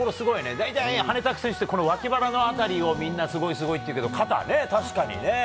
大体、ハネタク選手ってわき腹の辺りをみんなすごいっていうけど肩ね、確かにね。